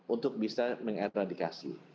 untuk bisa mengeradikasi